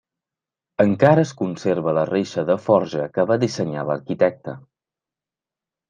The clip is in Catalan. Encara es conserva la reixa de forja que va dissenyar l'arquitecte.